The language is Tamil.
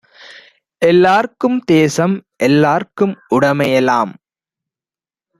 எல்லார்க்கும் தேசம், எல்லார்க்கும் உடைமைஎலாம்